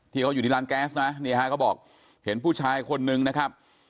ที่เขาอยู่ที่ร้านแก๊สนะเนี่ยฮะเขาบอกเห็นผู้ชายคนนึงนะครับ